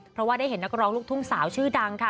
เพราะว่าได้เห็นนักร้องลูกทุ่งสาวชื่อดังค่ะ